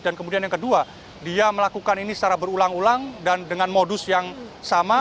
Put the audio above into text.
dan kemudian yang kedua dia melakukan ini secara berulang ulang dan dengan modus yang sama